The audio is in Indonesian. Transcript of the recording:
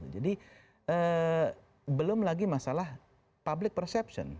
jadi belum lagi masalah public perception